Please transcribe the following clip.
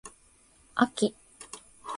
あき